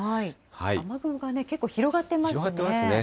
雨雲が結構広がってますね。